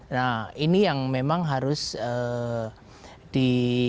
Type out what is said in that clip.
nah ini yang memang harus di